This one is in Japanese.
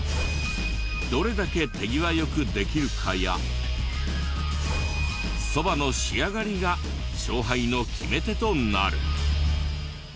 どれだけ手際よくできるかやそばの仕上がりが勝敗の決め手となる。